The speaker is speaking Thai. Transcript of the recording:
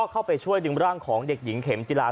เข้าไปช่วยดึงร่างของเด็กหญิงเข็มจิลา